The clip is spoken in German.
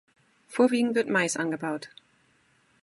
Vorwiegend wird Mais angebaut.